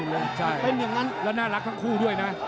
แล้วน่ารักทั้งคู่ด้วยนะ